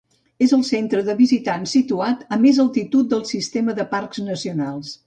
És el centre de visitants situat a més altitud del Sistema de Parcs Nacionals.